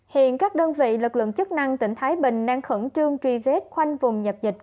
hiện các đơn vị lực lượng chức năng tỉnh thái bình đang khẩn trương truy vết khoanh vùng dập dịch